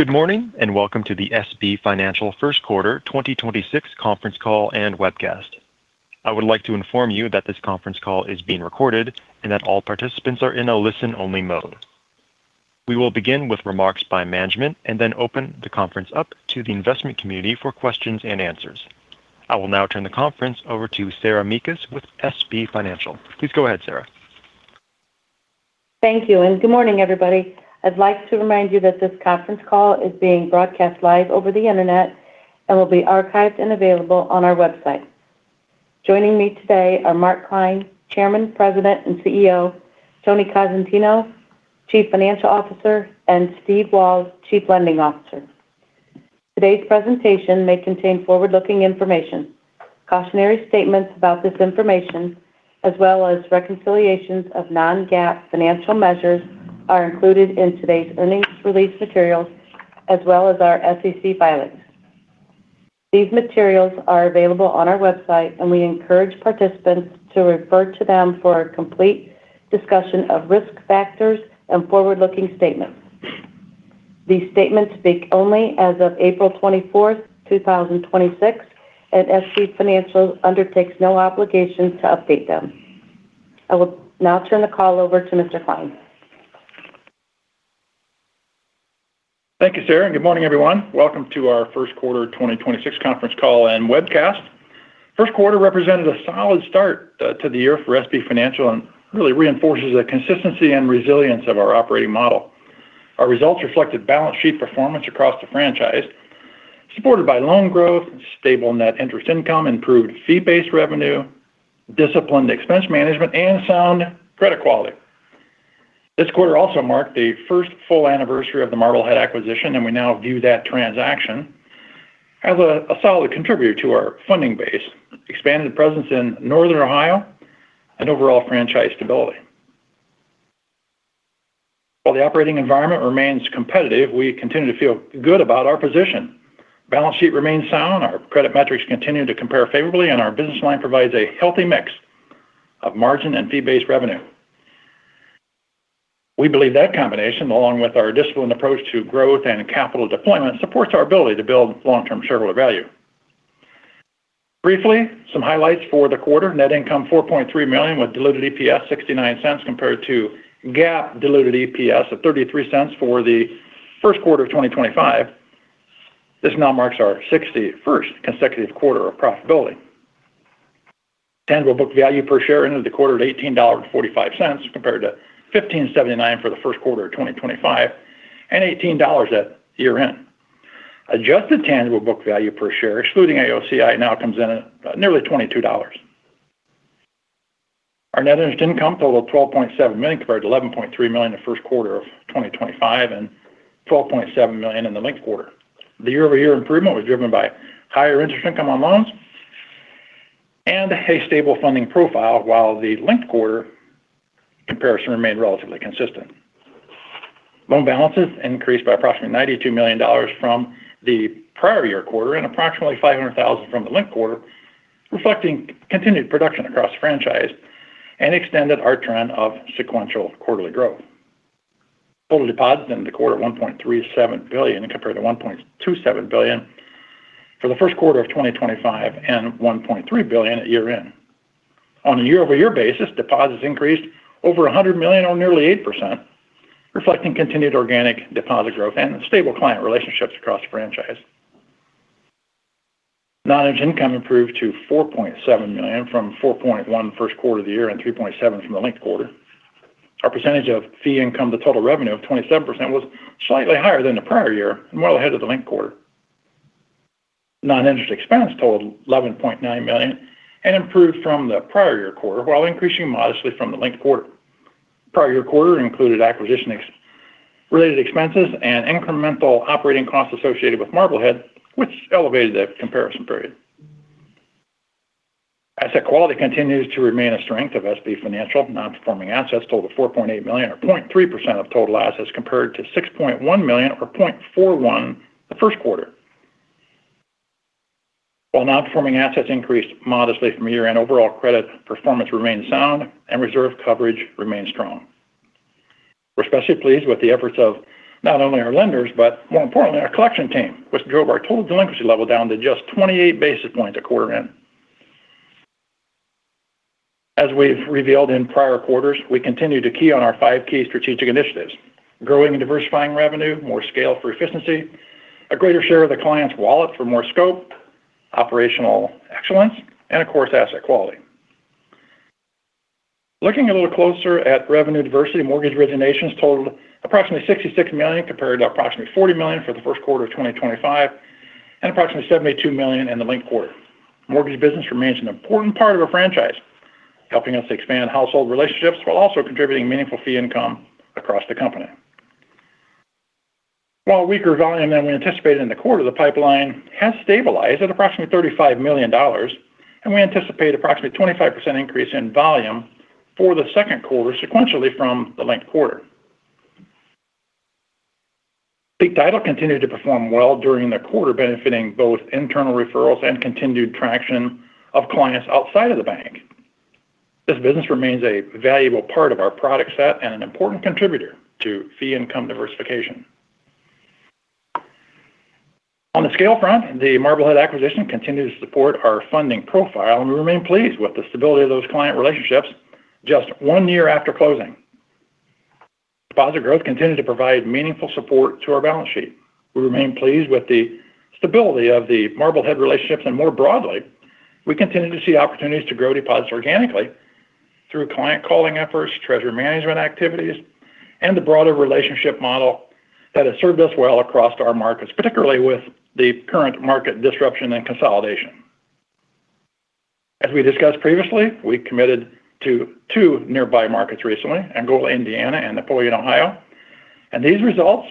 Good morning, and welcome to the SB Financial first quarter 2026 conference call and webcast. I would like to inform you that this conference call is being recorded, and that all participants are in a listen-only mode. We will begin with remarks by management, and then open the conference up to the investment community for questions and answers. I will now turn the conference over to Sarah Mekus with SB Financial. Please go ahead, Sarah. Thank you, and good morning, everybody. I'd like to remind you that this conference call is being broadcast live over the internet and will be archived and available on our website. Joining me today are Mark Klein, Chairman, President, and CEO, Tony Cosentino, Chief Financial Officer, and Steve Walz, Chief Lending Officer. Today's presentation may contain forward-looking information. Cautionary statements about this information, as well as reconciliations of non-GAAP financial measures, are included in today's earnings release materials as well as our SEC filings. These materials are available on our website, and we encourage participants to refer to them for a complete discussion of risk factors and forward-looking statements. These statements speak only as of April 24th, 2026, and SB Financial undertakes no obligation to update them. I will now turn the call over to Mr. Klein. Thank you, Sarah, and good morning, everyone. Welcome to our first quarter 2026 conference call and webcast. First quarter represented a solid start to the year for SB Financial Group and really reinforces the consistency and resilience of our operating model. Our results reflected balance sheet performance across the franchise, supported by loan growth, stable net interest income, improved fee-based revenue, disciplined expense management, and sound credit quality. This quarter also marked the first full anniversary of the Marblehead acquisition, and we now view that transaction as a solid contributor to our funding base, expanded presence in Northern Ohio, and overall franchise stability. While the operating environment remains competitive, we continue to feel good about our position. Balance sheet remains sound, our credit metrics continue to compare favorably, and our business line provides a healthy mix of margin and fee-based revenue. We believe that combination, along with our disciplined approach to growth and capital deployment, supports our ability to build long-term shareholder value. Briefly, some highlights for the quarter. Net income $4.3 million, with diluted EPS of $0.69 compared to GAAP diluted EPS of $0.33 for the first quarter of 2025. This now marks our 61st consecutive quarter of profitability. Tangible book value per share ended the quarter at $18.45 compared to $15.79 for the first quarter of 2025 and $18 at year-end. Adjusted tangible book value per share, excluding AOCI, now comes in at nearly $22. Our net interest income totaled $12.7 million compared to $11.3 million for the first quarter of 2025 and $12.7 million in the linked quarter. The year-over-year improvement was driven by higher interest income on loans and a stable funding profile while the linked quarter comparison remained relatively consistent. Loan balances increased by approximately $92 million from the prior year quarter and approximately $500,000 from the linked quarter, reflecting continued production across the franchise and extended our trend of sequential quarterly growth. Total deposits ended the quarter at $1.37 billion compared to $1.27 billion for the first quarter of 2025 and $1.3 billion at year-end. On a year-over-year basis, deposits increased by over $100 million, or nearly 8%, reflecting continued organic deposit growth and stable client relationships across the franchise. Non-interest income improved to $4.7 million from $4.1 million the first quarter of the year and $3.7 million from the linked quarter. Our percentage of fee income to total revenue of 27% was slightly higher than the prior year and well ahead of the linked quarter. Non-interest expense totaled $11.9 million and improved from the prior year quarter while increasing modestly from the linked quarter. Prior year quarter included acquisition-related expenses and incremental operating costs associated with Marblehead, which elevated the comparison period. Asset quality continues to remain a strength of SB Financial. Non-performing assets totaled $4.8 million, or 0.3% of total assets, compared to $6.1 million, or 0.41% in the first quarter. While non-performing assets increased modestly from year-end, overall credit performance remained sound and reserve coverage remained strong. We're especially pleased with the efforts of not only our lenders but more importantly our collection team, which drove our total delinquency level down to just 28 basis points at quarter end. As we've revealed in prior quarters, we continue to key on our five key strategic initiatives, growing and diversifying revenue, more scale for efficiency, a greater share of the client's wallet for more scope, operational excellence, and of course, asset quality. Looking a little closer at revenue diversity, mortgage originations totaled approximately $66 million compared to approximately $40 million for the first quarter of 2025 and approximately $72 million in the linked quarter. Mortgage business remains an important part of our franchise, helping us expand household relationships while also contributing meaningful fee income across the company. While weaker volume than we anticipated in the quarter, the pipeline has stabilized at approximately $35 million, and we anticipate approximately 25% increase in volume for the second quarter sequentially from the linked quarter. Peak Title continued to perform well during the quarter, benefiting both internal referrals and continued traction of clients outside of the bank. This business remains a valuable part of our product set and an important contributor to fee income diversification. On the scale front, the Marblehead acquisition continued to support our funding profile, and we remain pleased with the stability of those client relationships just one year after closing. Deposit growth continued to provide meaningful support to our balance sheet. We remain pleased with the stability of the Marblehead relationships, and more broadly, we continue to see opportunities to grow deposits organically through client calling efforts, treasury management activities, and the broader relationship model that has served us well across our markets, particularly with the current market disruption and consolidation. As we discussed previously, we committed to two nearby markets recently, Angola, Indiana, and Napoleon, Ohio. These results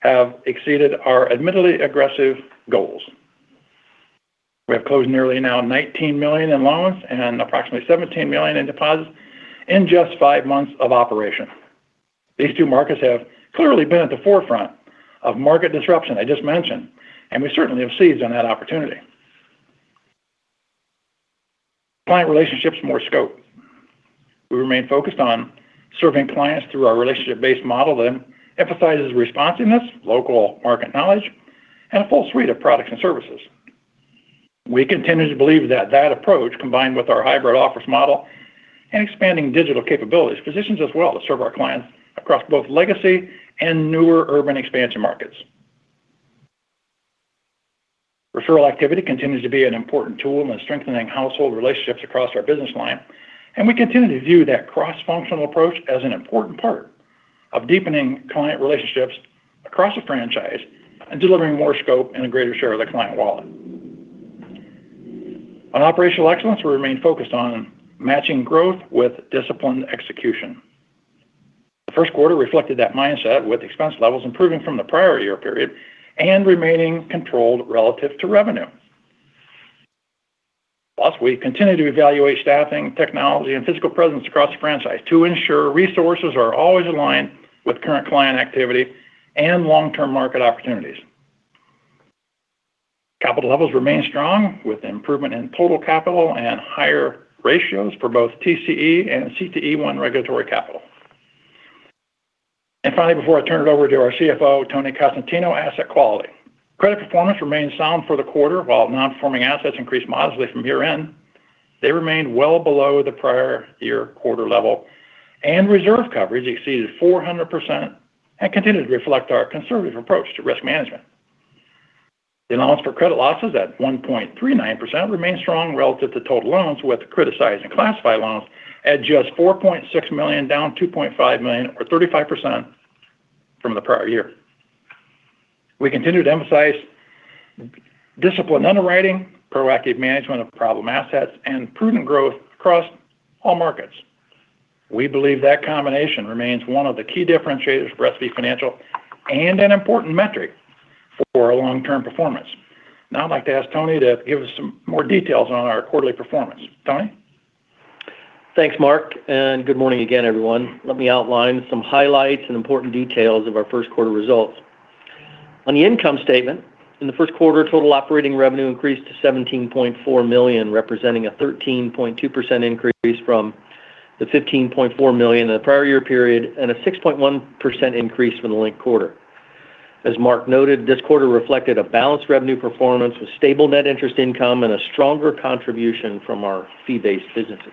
have exceeded our admittedly aggressive goals. We have closed nearly $19 million in loans and approximately $17 million in deposits in just five months of operation. These two markets have clearly been at the forefront of market disruption I just mentioned, and we certainly have seized on that opportunity. Client relationships, more scope. We remain focused on serving clients through our relationship-based model that emphasizes responsiveness, local market knowledge, and a full suite of products and services. We continue to believe that that approach, combined with our hybrid office model and expanding digital capabilities, positions us well to serve our clients across both legacy and newer urban expansion markets. Referral activity continues to be an important tool in strengthening household relationships across our business line, and we continue to view that cross-functional approach as an important part of deepening client relationships across the franchise and delivering more scope and a greater share of the client wallet. On operational excellence, we remain focused on matching growth with disciplined execution. The first quarter reflected that mindset with expense levels improving from the prior year period and remaining controlled relative to revenue. Plus, we continue to evaluate staffing, technology, and physical presence across the franchise to ensure resources are always aligned with current client activity and long-term market opportunities. Capital levels remain strong, with improvement in total capital and higher ratios for both TCE and CET1 regulatory capital. Finally, before I turn it over to our CFO, Tony Cosentino, asset quality. Credit performance remained sound for the quarter. While non-performing assets increased modestly from year-end, they remained well below the prior year quarter level, and reserve coverage exceeded 400% and continued to reflect our conservative approach to risk management. The allowance for credit losses at 1.39% remained strong relative to total loans, with criticized and classified loans at just $4.6 million, down $2.5 million or 35% from the prior year. We continue to emphasize disciplined underwriting, proactive management of problem assets, and prudent growth across all markets. We believe that combination remains one of the key differentiators for SB Financial and an important metric for our long-term performance. Now I'd like to ask Tony to give us some more details on our quarterly performance. Tony? Thanks, Mark, and good morning again, everyone. Let me outline some highlights and important details of our first quarter results. On the income statement, in the first quarter, total operating revenue increased to $17.4 million, representing a 13.2% increase from the $15.4 million in the prior year period and a 6.1% increase from the linked quarter. As Mark noted, this quarter reflected a balanced revenue performance with stable net interest income and a stronger contribution from our fee-based businesses.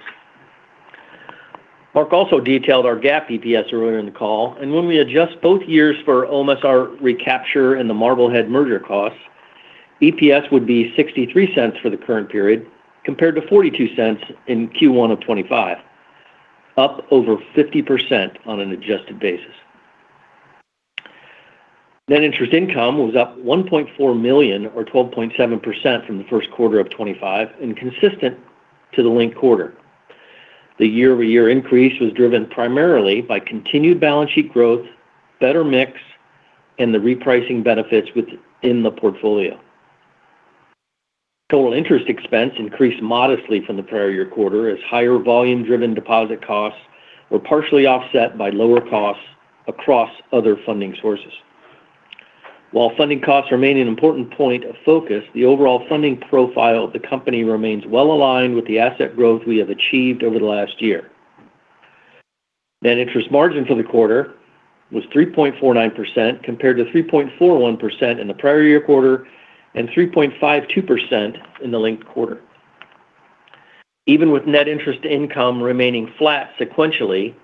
Mark also detailed our GAAP EPS earlier in the call, and when we adjust both years for OMSR recapture and the Marblehead merger costs, EPS would be $0.63 for the current period, compared to $0.42 in Q1 of 2025, up over 50% on an adjusted basis. Net interest income was up $1.4 million or 12.7% from the first quarter of 2025 and consistent with the linked quarter. The year-over-year increase was driven primarily by continued balance sheet growth, better mix, and the repricing benefits within the portfolio. Total interest expense increased modestly from the prior year quarter as higher volume-driven deposit costs were partially offset by lower costs across other funding sources. While funding costs remain an important point of focus, the overall funding profile of the company remains well-aligned with the asset growth we have achieved over the last year. Net interest margin for the quarter was 3.49%, compared to 3.41% in the prior year quarter and 3.52% in the linked quarter. Even with net interest income remaining flat sequentially,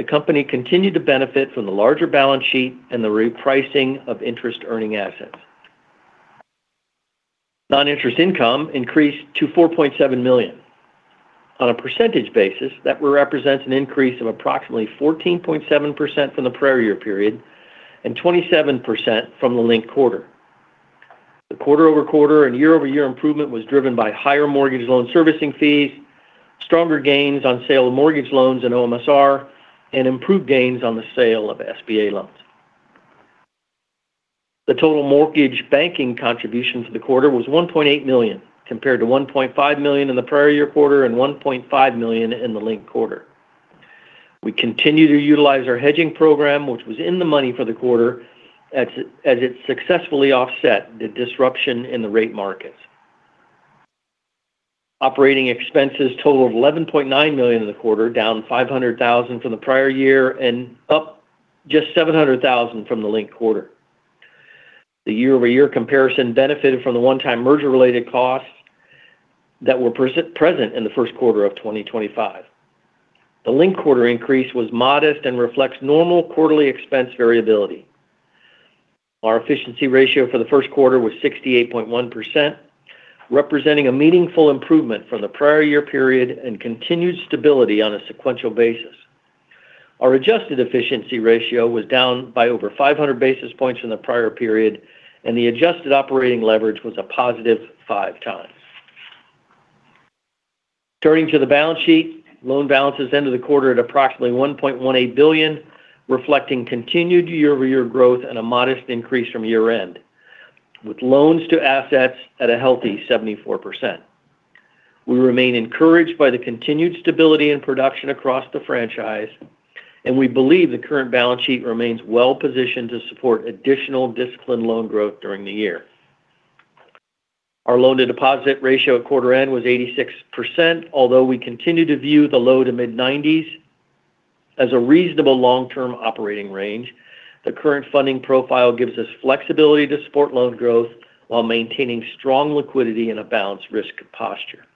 the company continued to benefit from the larger balance sheet and the repricing of interest-earning assets. Non-interest income increased to $4.7 million. On a percentage basis, that will represent an increase of approximately 14.7% from the prior year period and 27% from the linked quarter. The quarter-over-quarter and year-over-year improvement was driven by higher mortgage loan servicing fees, stronger gains on sale of mortgage loans in OMSR, and improved gains on the sale of SBA loans. The total mortgage banking contribution for the quarter was $1.8 million, compared to $1.5 million in the prior year quarter and $1.5 million in the linked quarter. We continue to utilize our hedging program, which was in the money for the quarter as it successfully offset the disruption in the rate markets. Operating expenses totaled $11.9 million in the quarter, down $500,000 from the prior year and up just $700,000 from the linked quarter. The year-over-year comparison benefited from the one-time merger-related costs that were present in the first quarter of 2025. The linked quarter increase was modest and reflects normal quarterly expense variability. Our efficiency ratio for the first quarter was 68.1%, representing a meaningful improvement from the prior year period and continued stability on a sequential basis. Our adjusted efficiency ratio was down by over 500 basis points in the prior period, and the adjusted operating leverage was a positive five times. Turning to the balance sheet, loan balances ended the quarter at approximately $1.18 billion, reflecting continued year-over-year growth and a modest increase from year-end, with loans to assets at a healthy 74%. We remain encouraged by the continued stability and production across the franchise, and we believe the current balance sheet remains well-positioned to support additional disciplined loan growth during the year. Our loan-to-deposit ratio at quarter end was 86%, although we continue to view the low to mid-90s as a reasonable long-term operating range. The current funding profile gives us flexibility to support loan growth while maintaining strong liquidity and a balanced risk posture.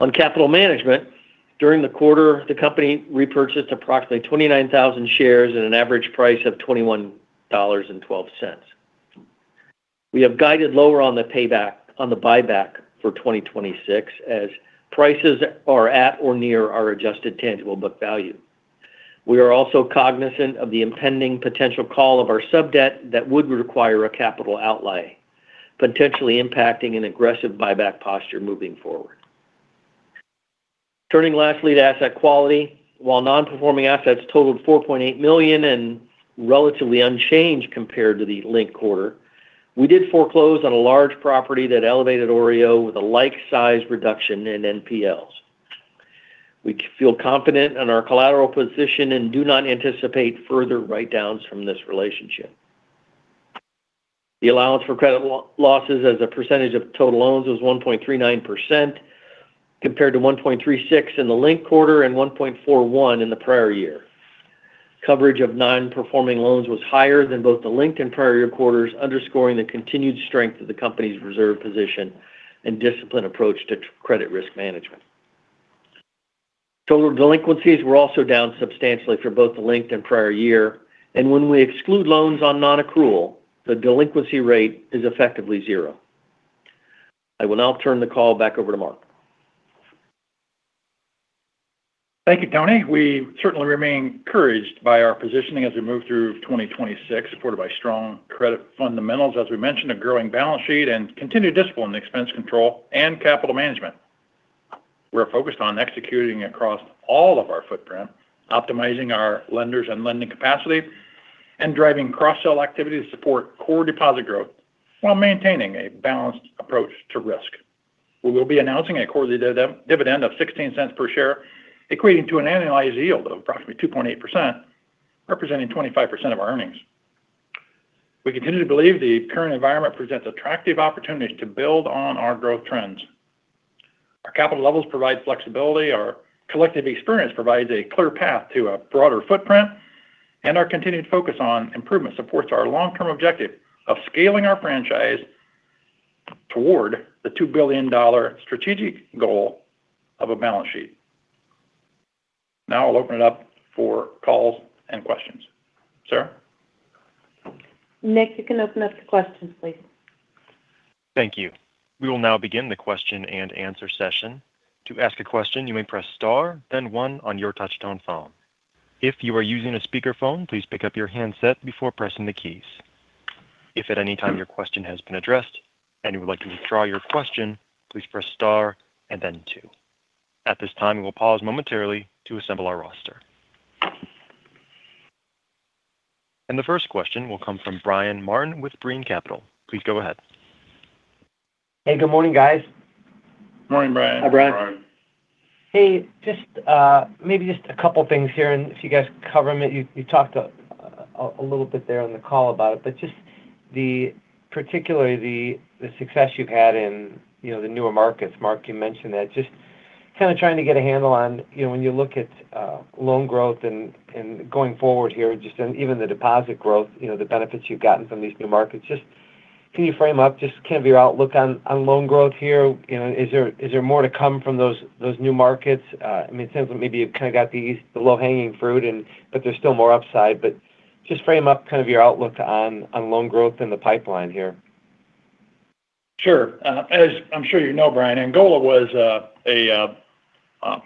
On capital management, during the quarter, the company repurchased approximately 29,000 shares at an average price of $21.12. We have guided lower on the buyback for 2026 as prices are at or near our adjusted tangible book value. We are also cognizant of the impending potential call of our subdebt that would require a capital outlay, potentially impacting an aggressive buyback posture moving forward. Turning lastly to asset quality. While non-performing assets totaled $4.8 million and relatively unchanged compared to the linked quarter, we did foreclose on a large property that elevated OREO with a like-size reduction in NPLs. We feel confident in our collateral position and do not anticipate further write-downs from this relationship. The allowance for credit losses as a percentage of total loans was 1.39%, compared to 1.36% in the linked quarter and 1.41% in the prior year. Coverage of non-performing loans was higher than both the linked and prior-year quarters, underscoring the continued strength of the company's reserve position and disciplined approach to credit risk management. Total delinquencies were also down substantially for both the linked and prior year, and when we exclude loans on non-accrual, the delinquency rate is effectively zero. I will now turn the call back over to Mark. Thank you, Tony. We certainly remain encouraged by our positioning as we move through 2026, supported by strong credit fundamentals, as we mentioned, a growing balance sheet, and continued discipline in expense control and capital management. We're focused on executing across all of our footprint, optimizing our lenders and lending capacity, and driving cross-sell activity to support core deposit growth while maintaining a balanced approach to risk. We will be announcing a quarterly dividend of $0.16 per share, equating to an annualized yield of approximately 2.8%, representing 25% of our earnings. We continue to believe the current environment presents attractive opportunities to build on our growth trends. Our capital levels provide flexibility, our collective experience provides a clear path to a broader footprint, and our continued focus on improvement supports our long-term objective of scaling our franchise toward the $2 billion strategic goal of a balance sheet. Now I'll open it up for calls and questions. Sarah? Nick, you can open up the questions, please. Thank you. We will now begin the question and answer session. To ask a question, you may press star then one on your touchtone phone. If you are using a speakerphone, please pick up your handset before pressing the keys. If at any time your question has been addressed and you would like to withdraw your question, please press star and then two. At this time, we will pause momentarily to assemble our roster. The first question will come from Brian Martin with Brean Capital. Please go ahead. Hey, good morning, guys. Morning, Brian. Hi, Brian. Hey, maybe just a couple things here and if you guys can cover them. You talked a little bit there on the call about it, but just particularly the success you've had in the newer markets, Mark, you mentioned that. Just kind of trying to get a handle on when you look at loan growth and going forward here, just even the deposit growth, the benefits you've gotten from these new markets. Can you frame up just your outlook on loan growth here? Is there more to come from those new markets? It seems that maybe you've got the low-hanging fruit, but there's still more upside. Just frame up your outlook on loan growth in the pipeline here. Sure. As I'm sure you know, Brian, Angola was a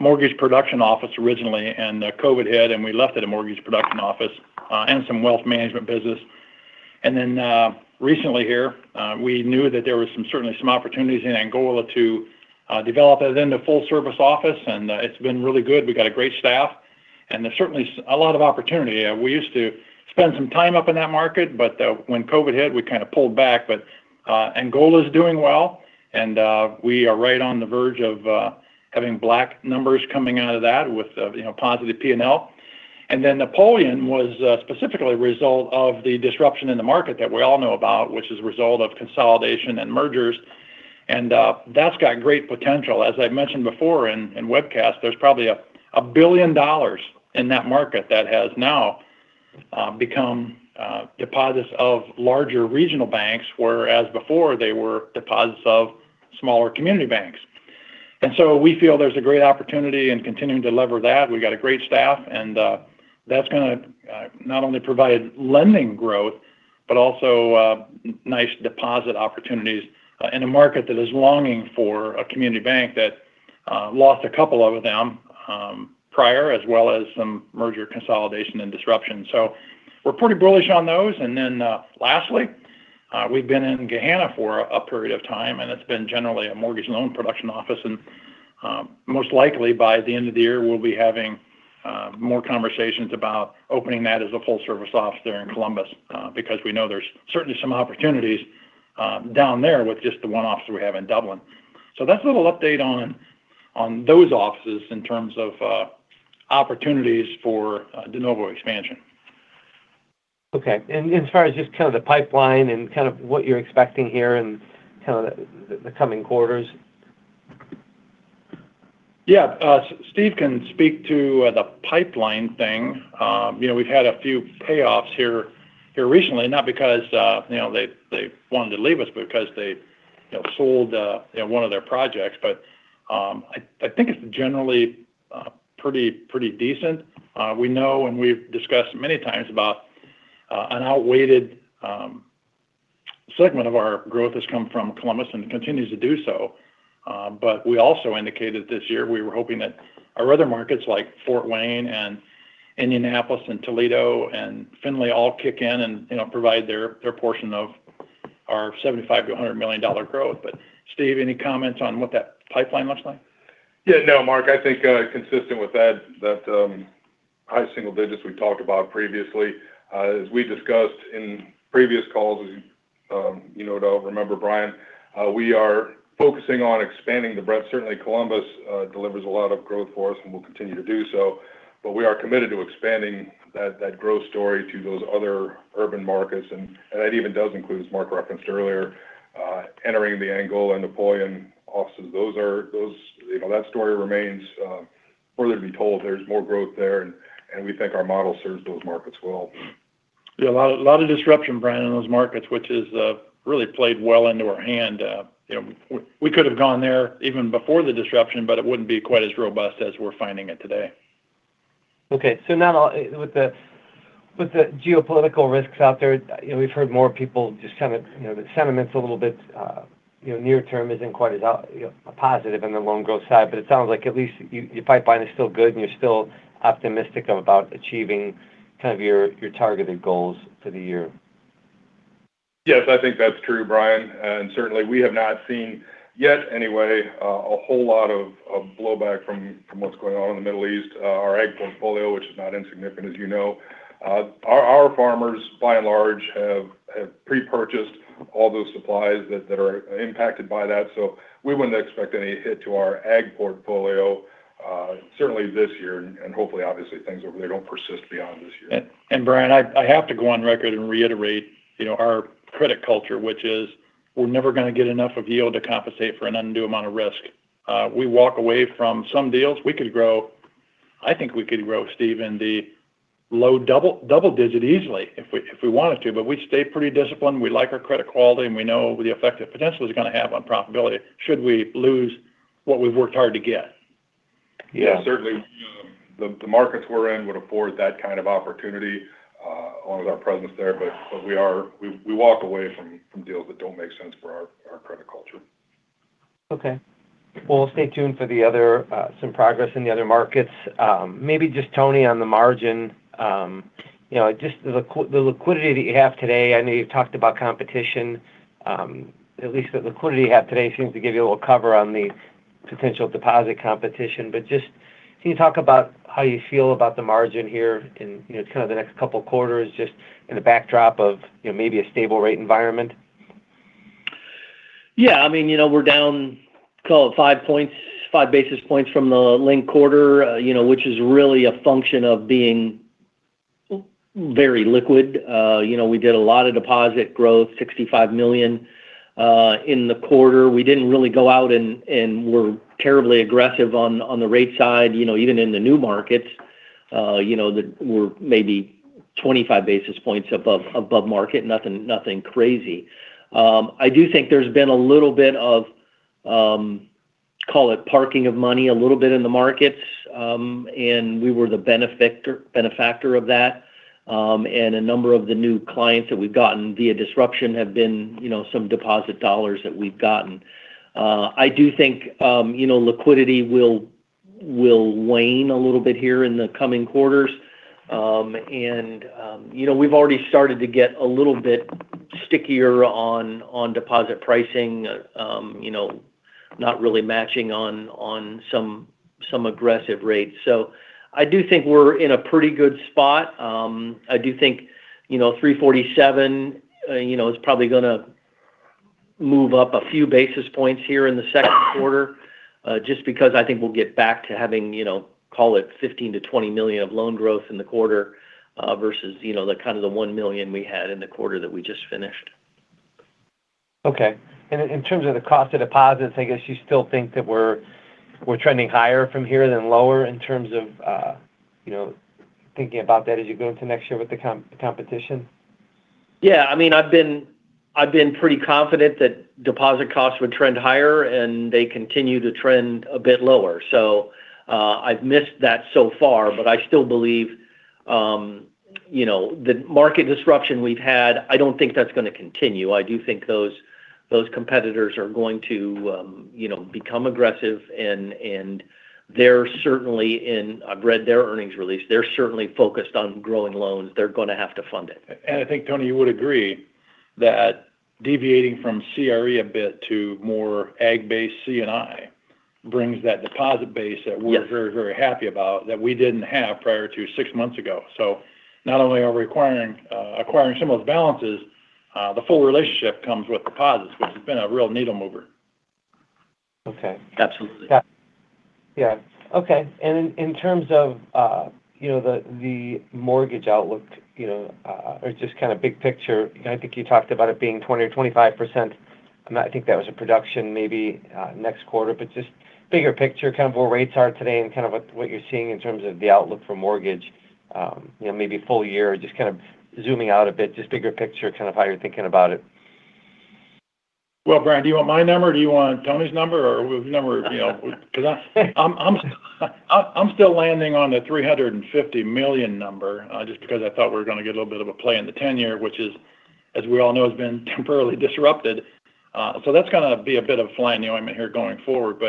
mortgage production office originally, and COVID hit and we left it as a mortgage production office and some wealth management business. Then recently here, we knew that there was certainly some opportunities in Angola to develop it into full-service office, and it's been really good. We got a great staff. There's certainly a lot of opportunity. We used to spend some time up in that market, but when COVID hit, we kind of pulled back. Angola's doing well, and we are right on the verge of having black numbers coming out of that with positive P&L. Napoleon was specifically a result of the disruption in the market that we all know about, which is a result of consolidation and mergers. That's got great potential. As I've mentioned before in webcasts, there's probably $1 billion in that market that has now become deposits of larger regional banks, whereas before they were deposits of smaller community banks. We feel there's a great opportunity in continuing to lever that. We've got a great staff, and that's going to not only provide lending growth, but also nice deposit opportunities in a market that is longing for a community bank that lost a couple of them prior, as well as some merger consolidation and disruption. We're pretty bullish on those. Then lastly, we've been in Gahanna for a period of time, and it's been generally a mortgage loan production office. Most likely by the end of the year, we'll be having more conversations about opening that as a full service office there in Columbus because we know there's certainly some opportunities down there with just the one office we have in Dublin. That's a little update on those offices in terms of opportunities for de novo expansion. Okay. As far as just kind of the pipeline and kind of what you're expecting here in kind of the coming quarters? Yeah. Steve can speak to the pipeline thing. We've had a few payoffs here recently, not because they wanted to leave us, but because they sold one of their projects. I think it's generally pretty decent. We know and we've discussed many times about an outweighed segment of our growth has come from Columbus and continues to do so. We also indicated this year we were hoping that our other markets like Fort Wayne and Indianapolis and Toledo and Findlay all kick in and provide their portion of our $75 million-$100 million growth. Steve, any comments on what that pipeline looks like? Yeah. No, Mark, I think consistent with that high single digits we talked about previously. As we discussed in previous calls, you remember, Brian, we are focusing on expanding the breadth. Certainly, Columbus delivers a lot of growth for us and will continue to do so. We are committed to expanding that growth story to those other urban markets. That even does include, as Mark referenced earlier, entering the Angola and Napoleon offices. That story remains further to be told. There's more growth there, and we think our model serves those markets well. Yeah, a lot of disruption, Brian, in those markets, which has really played well into our hand. We could have gone there even before the disruption, but it wouldn't be quite as robust as we're finding it today. Okay. Now with the geopolitical risks out there, we've heard more people just kind of, the sentiment's a little bit near-term isn't quite as positive in the loan growth side, but it sounds like at least your pipeline is still good and you're still optimistic about achieving kind of your targeted goals for the year. Yes, I think that's true, Brian, and certainly we have not seen, yet anyway, a whole lot of blowback from what's going on in the Middle East. Our ag portfolio, which is not insignificant, as you know, our farmers, by and large, have pre-purchased all those supplies that are impacted by that. We wouldn't expect any hit to our ag portfolio certainly this year. Hopefully, obviously, things over there don't persist beyond this year. Brian, I have to go on record and reiterate our credit culture, which is we're never going to get enough of yield to compensate for an undue amount of risk. We walk away from some deals. We could grow, I think we could grow, Steve, in the low double digit easily if we wanted to, but we stay pretty disciplined. We like our credit quality, and we know the effect it potentially is going to have on profitability should we lose what we've worked hard to get. Yeah. Certainly, the markets we're in would afford that kind of opportunity along with our presence there. We walk away from deals that don't make sense for our credit culture. Okay. Well, we'll stay tuned for some progress in the other markets. Maybe just Tony on the margin. Just the liquidity that you have today, I know you've talked about competition. At least the liquidity you have today seems to give you a little cover on the potential deposit competition. Just can you talk about how you feel about the margin here in kind of the next couple of quarters, just in the backdrop of maybe a stable rate environment? Yeah. We're down, call it 5 basis points from the linked quarter which is really a function of being very liquid. We did a lot of deposit growth, $65 million in the quarter. We didn't really go out and were terribly aggressive on the rate side. Even in the new markets that were maybe 25 basis points above market, nothing crazy. I do think there's been a little bit of, call it parking of money, a little bit in the markets, and we were the benefactor of that. A number of the new clients that we've gotten via disruption have been some deposit dollars that we've gotten. I do think liquidity will wane a little bit here in the coming quarters. We've already started to get a little bit stickier on deposit pricing. Not really matching on some aggressive rates. I do think we're in a pretty good spot. I do think [3.47%] is probably going to move up a few basis points here in the second quarter, just because I think we'll get back to having, call it $15 million-$20 million of loan growth in the quarter versus the kind of the $1 million we had in the quarter that we just finished. Okay. In terms of the cost of deposits, I guess you still think that we're trending higher from here than lower in terms of thinking about that as you go into next year with the competition? I've been pretty confident that deposit costs would trend higher, and they continue to trend a bit lower. I've missed that so far, but I still believe the market disruption we've had. I don't think that's going to continue. I do think those competitors are going to become aggressive, and I've read their earnings release. They're certainly focused on growing loans. They're going to have to fund it. I think, Tony, you would agree that deviating from CRE a bit to more ag-based C&I brings that deposit base that we're very, very happy about, that we didn't have prior to six months ago. Not only are we acquiring some of those balances, the full relationship comes with deposits, which has been a real needle mover. Okay. Yeah. Okay. In terms of the mortgage outlook or just kind of big picture, I think you talked about it being 20% or 25%. I think that was a production maybe next quarter, but just bigger picture, kind of where rates are today and kind of what you're seeing in terms of the outlook for mortgage, maybe full year, just kind of zooming out a bit, just bigger picture, kind of how you're thinking about it. Well, Brian, do you want my number or do you want Tony's number, because I'm still landing on the $350 million number just because I thought we were going to get a little bit of a play in the 10-year, which is as we all know, has been temporarily disrupted. That's going to be a bit of a fly in the ointment here going forward.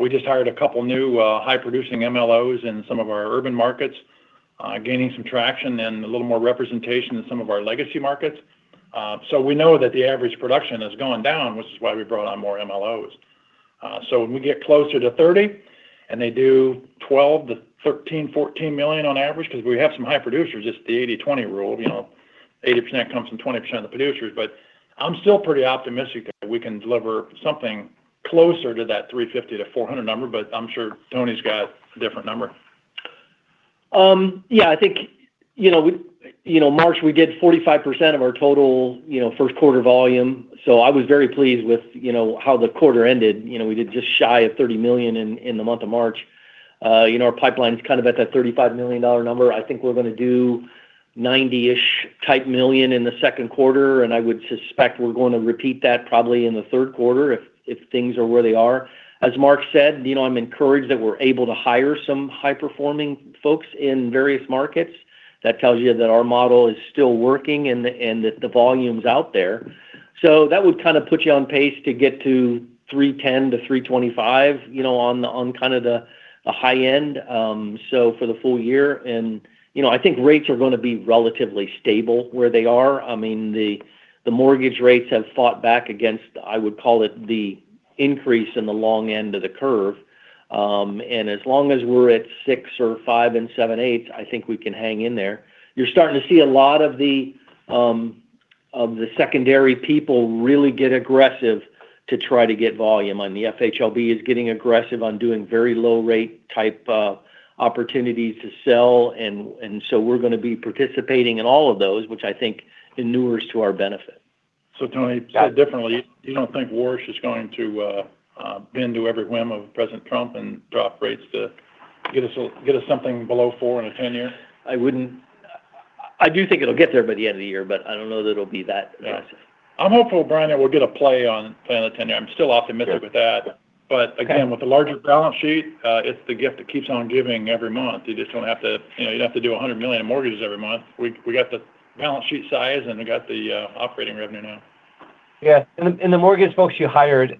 We just hired a couple new high-producing MLOs in some of our urban markets, gaining some traction and a little more representation in some of our legacy markets. We know that the average production is going down, which is why we brought on more MLOs. When we get closer to 30 and they do $12 million, $13 million, $14 million on average, because we have some high producers, it's the 80/20 rule. 80% comes from 20% of the producers. I'm still pretty optimistic that we can deliver something closer to that 350-400 number, but I'm sure Tony's got a different number. Yeah, I think in March we did 45% of our total first quarter volume. I was very pleased with how the quarter ended. We did just shy of $30 million in the month of March. Our pipeline's kind of at that $35 million number. I think we're going to do $90 million-ish type in the second quarter, and I would suspect we're going to repeat that probably in the third quarter if things are where they are. As Mark said, I'm encouraged that we're able to hire some high-performing folks in various markets. That tells you that our model is still working and that the volume's out there. That would kind of put you on pace to get to $310 million-$325 million, on kind of the high end. For the full year, and I think rates are going to be relatively stable where they are. I mean, the mortgage rates have fought back against, I would call it the increase in the long end of the curve. As long as we're at [6] or [5 and 7/8], I think we can hang in there. You're starting to see a lot of the secondary people really get aggressive to try to get volume. The FHLB is getting aggressive on doing very low rate type opportunities to sell and so we're going to be participating in all of those, which I think inures to our benefit. Tony, said differently, you don't think Warsh is going to bend to every whim of President Trump and drop rates to get us something below four in a 10-year? I do think it'll get there by the end of the year, but I don't know that it'll be that aggressive. I'm hopeful, Brian, that we'll get a play on the 10-year. I'm still optimistic with that. With the larger balance sheet, it's the gift that keeps on giving every month. You'd have to do $100 million in mortgages every month. We got the balance sheet size, and we got the operating revenue now. Yeah. In the mortgage folks you hired,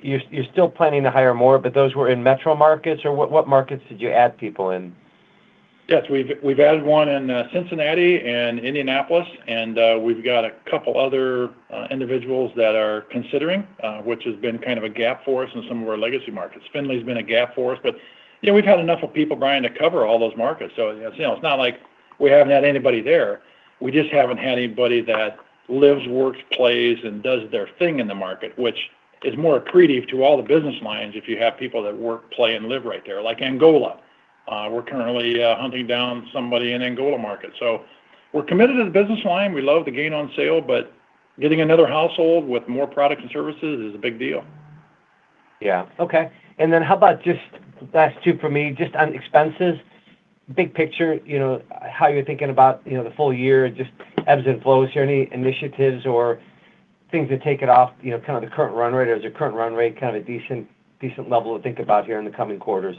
you're still planning to hire more, but those were in metro markets or what markets did you add people in? Yes. We've added one in Cincinnati and Indianapolis, and we've got a couple other individuals that are considering, which has been kind of a gap for us in some of our legacy markets. Findlay's been a gap for us. We've had enough of people, Brian, to cover all those markets. It's not like we haven't had anybody there. We just haven't had anybody that lives, works, plays, and does their thing in the market, which is more accretive to all the business lines if you have people that work, play, and live right there, like Angola. We're currently hunting down somebody in Angola market. We're committed to the business line. We love the gain on sale, but getting another household with more products and services is a big deal. Yeah. Okay. How about just last two for me, just on expenses, big picture, how you're thinking about the full year, just ebbs and flows here, any initiatives or things to take it off, kind of the current run rate? Or is the current run rate kind of a decent level to think about here in the coming quarters?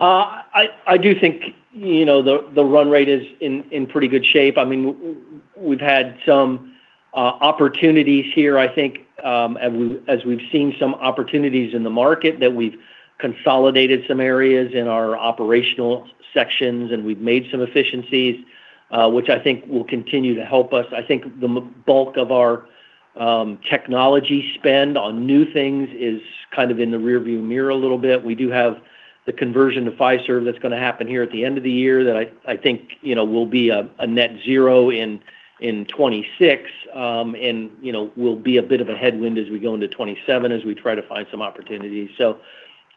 I do think the run rate is in pretty good shape. We've had some opportunities here, I think, as we've seen some opportunities in the market that we've consolidated some areas in our operational sections, and we've made some efficiencies, which I think will continue to help us. I think the bulk of our technology spend on new things is kind of in the rearview mirror a little bit. We do have the conversion to Fiserv that's going to happen here at the end of the year that I think will be a net zero in 2026 and will be a bit of a headwind as we go into 2027 as we try to find some opportunities.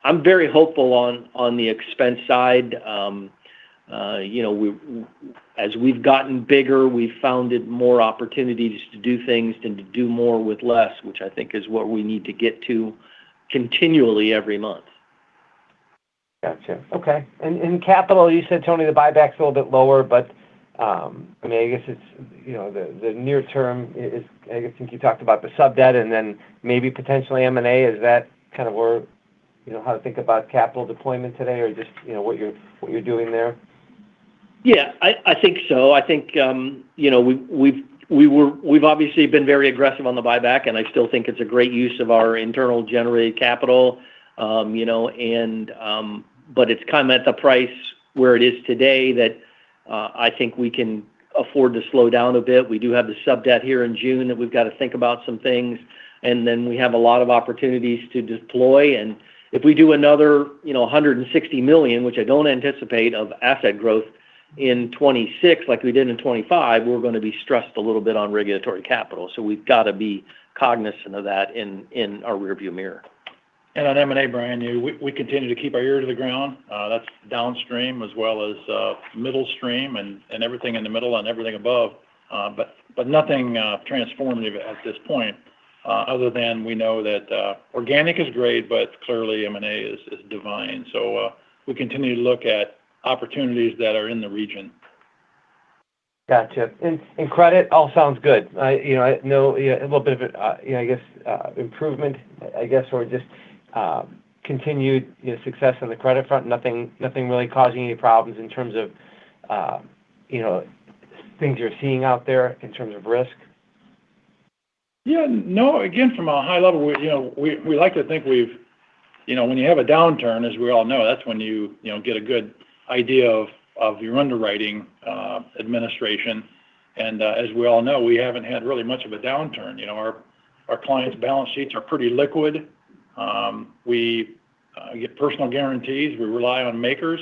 I'm very hopeful on the expense side. As we've gotten bigger, we've found more opportunities to do things and to do more with less, which I think is what we need to get to continually every month. Got you. Okay. In capital, you said, Tony, the buyback's a little bit lower, but I guess it's the near term. I think you talked about the sub-debt and then maybe potentially M&A. Is that kind of how to think about capital deployment today? Or just what you're doing there? Yeah. I think so. I think we've obviously been very aggressive on the buyback, and I still think it's a great use of our internal generated capital. It's kind of at the price where it is today that I think we can afford to slow down a bit. We do have the sub-debt here in June that we've got to think about some things. We have a lot of opportunities to deploy. If we do another $160 million, which I don't anticipate, of asset growth in 2026 like we did in 2025, we're going to be stressed a little bit on regulatory capital. We've got to be cognizant of that in our rear view mirror. On M&A, Brian, we continue to keep our ear to the ground. That's downstream as well as middle stream, and everything in the middle and everything above. Nothing transformative at this point. Other than we know that organic is great, but clearly M&A is divine. We continue to look at opportunities that are in the region. Gotcha. In credit, all sounds good. I know a little bit of it, I guess, improvement or just continued success on the credit front. Nothing really causing any problems in terms of things you're seeing out there in terms of risk? Yeah. No. Again, from a high level, we like to think, when you have a downturn, as we all know, that's when you get a good idea of your underwriting administration. As we all know, we haven't had really much of a downturn. Our clients' balance sheets are pretty liquid. We get personal guarantees. We rely on makers.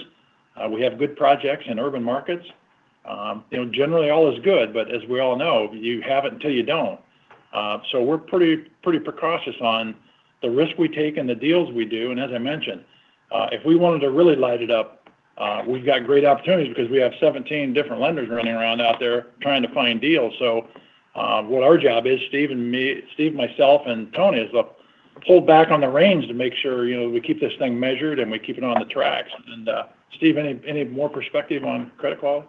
We have good projects in urban markets. Generally, all is good, but as we all know, you have it until you don't. We're pretty cautious on the risk we take and the deals we do. As I mentioned, if we wanted to really light it up, we've got great opportunities because we have 17 different lenders running around out there trying to find deals. What our job is, Steve, myself, and Tony, is to pull back on the reins to make sure we keep this thing measured and we keep it on the tracks. Steve, any more perspective on credit quality?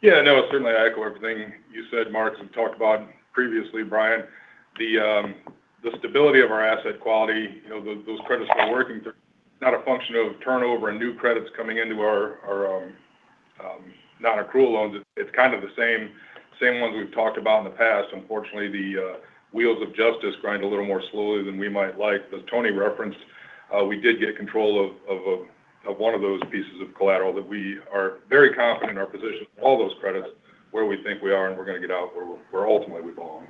Yeah, no. Certainly echo everything you said, Mark. As we've talked about previously, Brian. The stability of our asset quality, those credits we're working through, is not a function of turnover and new credits coming into our non-accrual loans. It's kind of the same ones we've talked about in the past. Unfortunately, the wheels of justice grind a little more slowly than we might like. As Tony referenced, we did get control of one of those pieces of collateral that we are very confident in our position on all those credits where we think we are and we're going to get out where ultimately we belong.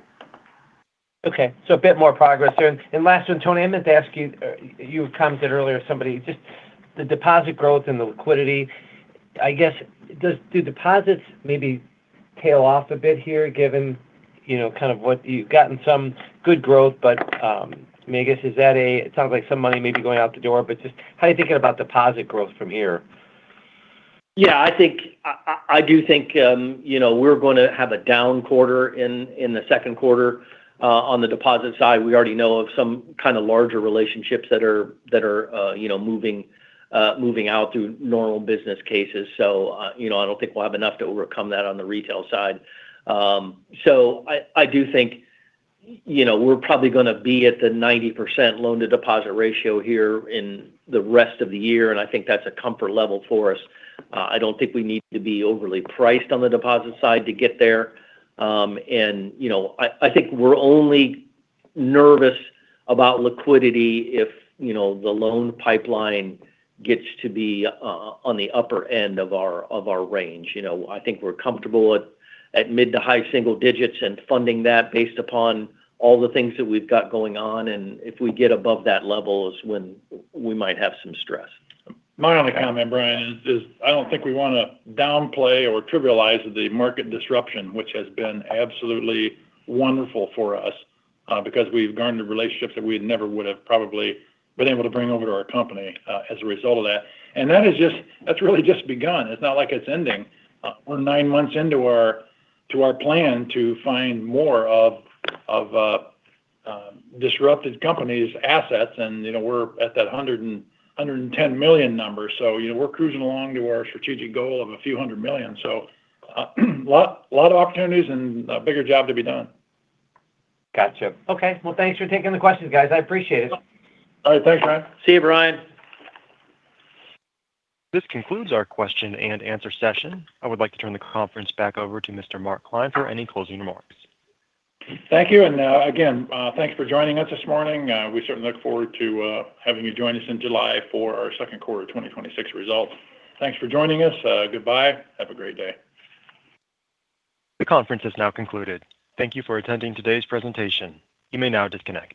Okay. A bit more progress there. Last one, Tony, I meant to ask you had commented earlier, the deposit growth and the liquidity. I guess, do deposits maybe tail off a bit here given kind of what you've gotten some good growth, but I guess, it sounds like some money may be going out the door, but just how are you thinking about deposit growth from here? Yeah. I do think we're going to have a down quarter in the second quarter on the deposit side. We already know of some kind of larger relationships that are moving out through normal business cases. I don't think we'll have enough to overcome that on the retail side. I do think we're probably going to be at the 90% loan-to-deposit ratio here in the rest of the year, and I think that's a comfort level for us. I don't think we need to be overly priced on the deposit side to get there. I think we're only nervous about liquidity if the loan pipeline gets to be on the upper end of our range. I think we're comfortable at mid to high single digits and funding that based upon all the things that we've got going on. If we get above that level is when we might have some stress. My only comment, Brian, is I don't think we want to downplay or trivialize the market disruption, which has been absolutely wonderful for us because we've garnered relationships that we never would have probably been able to bring over to our company as a result of that. That's really just begun. It's not like it's ending. We're nine months into our plan to find more of disrupted companies' assets, and we're at that $110 million number. We're cruising along to our strategic goal of a few hundred million. A lot of opportunities and a bigger job to be done. Gotcha. Okay. Well, thanks for taking the questions, guys. I appreciate it. All right. Thanks, Brian. See you, Brian. This concludes our question and answer session. I would like to turn the conference back over to Mr. Mark Klein for any closing remarks. Thank you. Again, thanks for joining us this morning. We certainly look forward to having you join us in July for our second quarter 2026 results. Thanks for joining us. Goodbye. Have a great day. The conference has now concluded. Thank you for attending today's presentation. You may now disconnect.